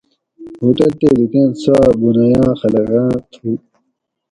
ہوٹل تے دکاۤن سوآ بھنایاۤں خلقاۤں تھو